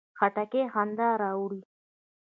خټکی خندا راوړي.